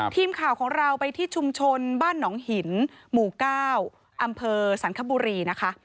ทีมข่าวของเราไปที่ชุมชนบ้านหนองหินหมู่๙อำเภอสันคบุรีนะคะ